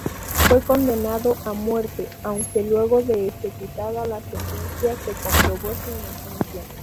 Fue condenado a muerte, aunque luego de ejecutada la sentencia se comprobó su inocencia.